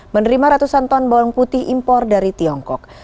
menerima ratusan ton bawang putih impor dari tiongkok